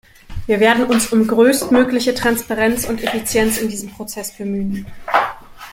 Wir werden uns um größtmögliche Transparenz und Effizienz in diesem Prozess bemühen.